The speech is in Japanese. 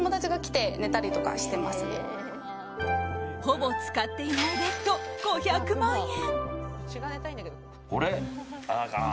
ほぼ使っていないベッド５００万円。